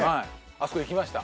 あそこ行きました